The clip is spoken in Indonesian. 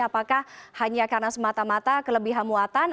apakah hanya karena semata mata kelebihan muatan